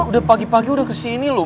udah pagi pagi udah kesini loh